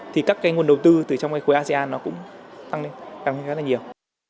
thì các nguồn đầu tư từ trong khối asean cũng tăng lên rất là nhiều